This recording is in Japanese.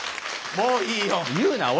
もういいよ。